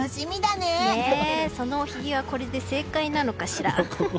そのおひげはこれで正解なのかしら。